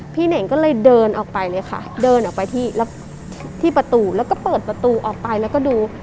เน่งก็เลยเดินออกไปเลยค่ะเดินออกไปที่ประตูแล้วก็เปิดประตูออกไปแล้วก็ดู